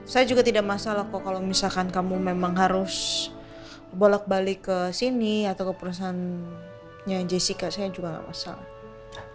saya juga tidak masalah kok kalau misalkan kamu memang harus bolak balik ke sini atau ke perusahaannya jessica saya juga nggak masalah